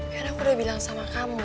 kan aku udah bilang sama kamu